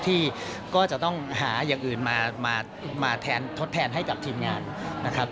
ที่ก็จะต้องหาอย่างอื่นมาแทนทดแทนให้กับทีมงานนะครับ